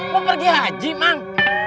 mau pergi haji mang